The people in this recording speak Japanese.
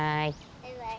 バイバイ。